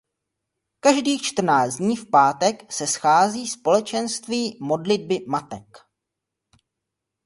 Každých čtrnáct dní v pátek se schází společenství Modlitby matek.